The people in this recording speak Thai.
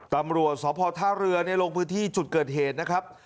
ตำรวจสภทรรในโลกพืชที่จุดเกิดเหตุนะครับ